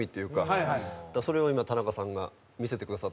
それを今田中さんが見せてくださった。